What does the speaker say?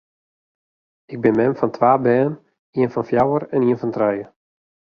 Ik bin mem fan twa bern, ien fan fjouwer en ien fan trije.